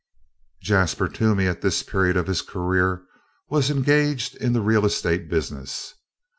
Jasper Toomey at this period of his career was engaged in the real estate business.